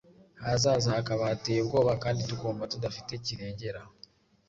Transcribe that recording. ahazaza hakaba hateye ubwoba kandi tukumva tudafite kirengera